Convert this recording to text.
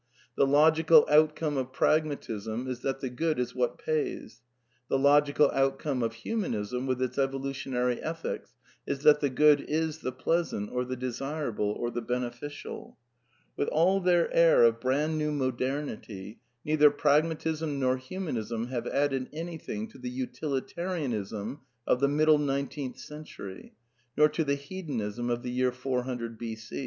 The logical outcome of Pragmatism is that the good is what pays ; the logical outcome of Human ism, with its evolutionary Ethics, is that the good is the pleasant or the desirable or the beneficial. With all their air of brand new modernity, neither Pragmatism nor Humanism have added anything to the Utilitarianism of the middle nineteenth century, nor to the Hedonism of the year 400 b.